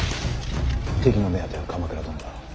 敵の目当ては鎌倉殿だ。